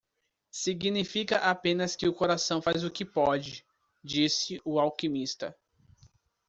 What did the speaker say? "Significa apenas que o coração faz o que pode", disse o alquimista.